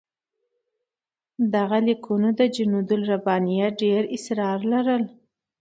دغه لیکونه د جنودالربانیه ډېر اسرار لرل.